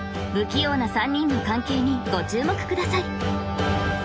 不器用な３人の関係にご注目ください